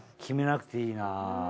決めなくていいな。